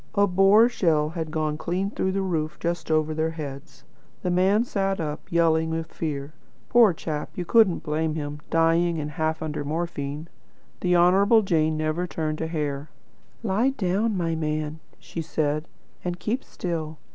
A Boer shell had gone clean through the roof just over their heads. The man sat up, yelling with fear. Poor chap, you couldn't blame him; dying, and half under morphine. The Honourable Jane never turned a hair. 'Lie down, my man,' she said, 'and keep still.'